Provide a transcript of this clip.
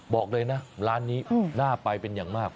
บอกเลยนะร้านนี้น่าไปเป็นอย่างมาก